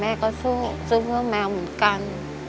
แม่ก็สู้เพื่อแมวเหมือนกัน